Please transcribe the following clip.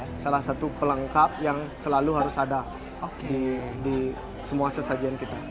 jadi salah satu pelengkap yang selalu harus ada di semua sesajian kita